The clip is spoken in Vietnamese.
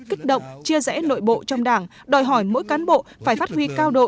kích động chia rẽ nội bộ trong đảng đòi hỏi mỗi cán bộ phải phát huy cao độ